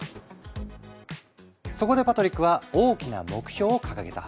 そこでパトリックは大きな目標を掲げた。